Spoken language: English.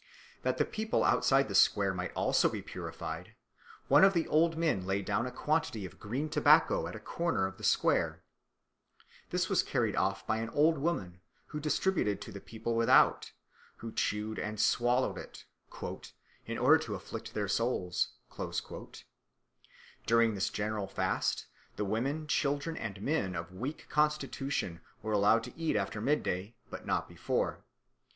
That the people outside the square might also be purified, one of the old men laid down a quantity of green tobacco at a corner of the square; this was carried off by an old woman and distributed to the people without, who chewed and swallowed it "in order to afflict their souls." During this general fast, the women, children, and men of weak constitution were allowed to eat after mid day, but not before.